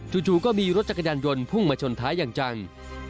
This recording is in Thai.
จู่ก็มีรถจักรยานยนต์พุ่งมาชนท้ายอย่างจัง